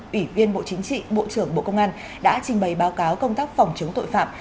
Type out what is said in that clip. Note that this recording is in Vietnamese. ủy viên bộ chính trị bộ trưởng bộ công an đã trình bày báo cáo công tác phòng chống tội phạm